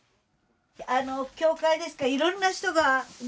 教会ですからいろんな人がね。